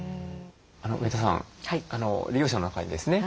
上田さん利用者の中にですね